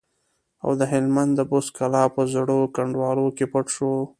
او د هلمند د بست کلا په زړو کنډوالو کې پټ شو.